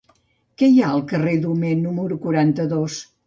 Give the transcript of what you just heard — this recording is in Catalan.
Què hi ha al carrer d'Homer número quaranta-dos?